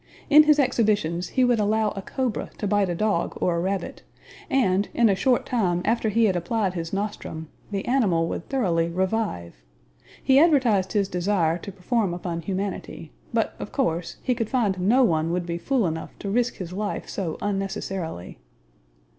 In his exhibitions he would allow a cobra to bite a dog or a rabbit, and, in a short time after he had applied his nostrum the animal would thoroughly revive; he advertised his desire to perform upon humanity, but, of course, he could find no one would be fool enough to risk his life so unnecessarily.